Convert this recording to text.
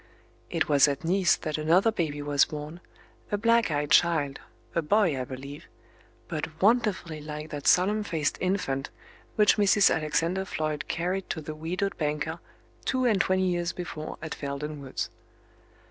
It was at Nice that another baby was born, a black eyed child a boy, I believe but wonderfully like that solemn faced infant which Mrs. Alexander Floyd carried to the widowed banker two and twenty years before at Felden Woods.